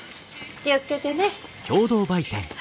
気を付けてね。